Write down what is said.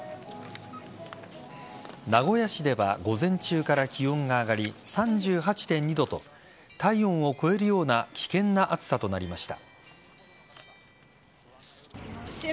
名古屋市では午前中から気温が上がり３８．２度と体温を超えるような危険な暑さとなりました。